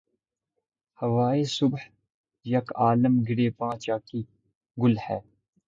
ہوائے صبح یک عالم گریباں چاکی گل ہے